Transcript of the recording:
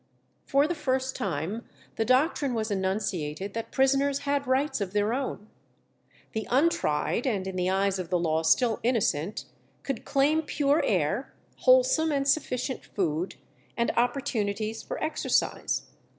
For the first time the doctrine was enunciated that prisoners had rights of their own. The untried, and in the eyes of the law still innocent, could claim pure air, wholesome and sufficient food, and opportunities for exercise.